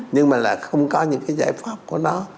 nhưng mà lại không có những cái giải pháp của nó